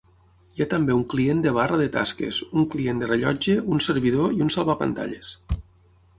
Hi ha també un client de barra de tasques, un client de rellotge, un servidor i un salvapantalles.